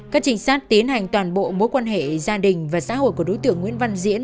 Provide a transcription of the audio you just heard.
các trinh sát tiến hành toàn bộ mối quan hệ gia đình và xã hội của đối tượng nguyễn văn diễn